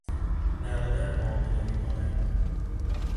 نقداً معامله می کنند